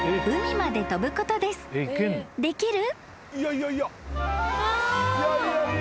［できる？］